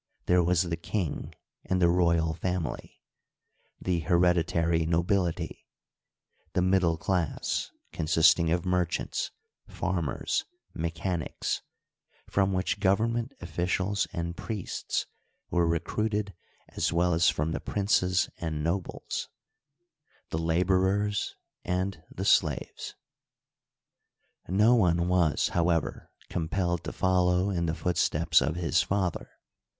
There was the king and the royal family, the hereditary nobility, the middle class, consisting of merchants, farmers, mechanics — from which government officials and priests were recruited as well as from the princes and nobles— the laborers, and the slaves. No one was, however^ compelled to follow in the footsteps of his father.